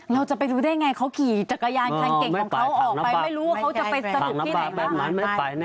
เราจะไปรู้ได้ไงเขาขี่จักรยานคันเก่งของเขาออกไปไม่รู้ว่าเขาจะไปสนุกที่ไหนบ้าง